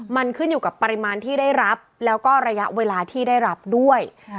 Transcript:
มันขึ้นอยู่กับปริมาณที่ได้รับแล้วก็ระยะเวลาที่ได้รับด้วย